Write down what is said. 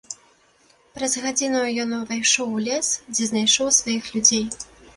Праз гадзіну ён увайшоў у лес, дзе знайшоў сваіх людзей.